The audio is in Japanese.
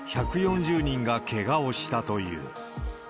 １４０人がけがをしたという。